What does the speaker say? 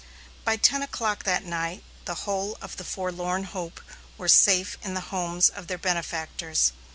By ten o'clock that night the whole of the Forlorn Hope were safe in the homes of their benefactors.